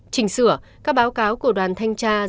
trình sửa các báo cáo của đoàn thanh tra